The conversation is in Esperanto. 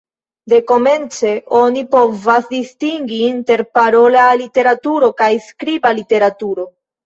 Dekomence oni povas distingi inter parola literaturo kaj skriba literaturo.